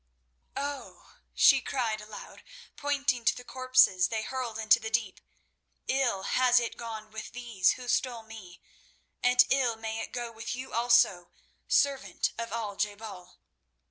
"Oh!" she cried aloud, pointing to the corpses they hurled into the deep, "ill has it gone with these who stole me, and ill may it go with you also, servant of Al je bal."